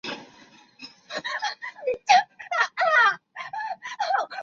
在晋官至安西参军。